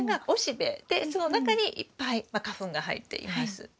でその中にいっぱい花粉が入っています。